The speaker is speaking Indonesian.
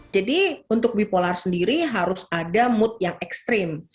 jadi untuk bipolar sendiri harus ada mood yang ekstrim